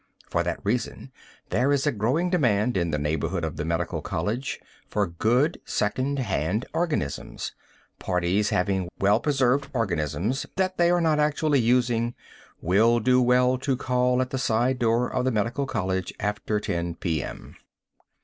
For that reason there is a growing demand in the neighborhood of the medical college for good second hand organisms. Parties having well preserved organisms that they are not actually using, will do well to call at the side door of the medical college after 10 P.M.